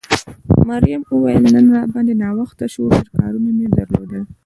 مريم وویل نن را باندې ناوخته شو، ډېر کارونه مې درلودل.